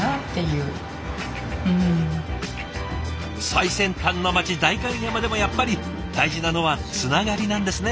最先端の町代官山でもやっぱり大事なのはつながりなんですね。